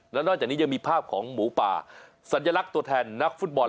แล้วนอกจากนี้ยังมีภาพของหมูป่าสัญลักษณ์ตัวแทนนักฟุตบอล